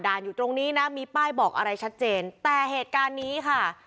อยู่ตรงนี้นะมีป้ายบอกอะไรชัดเจนแต่เหตุการณ์นี้ค่ะ